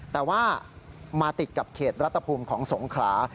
แต่ว่ามาติดกับเขตรัฐภูมิของสงขลา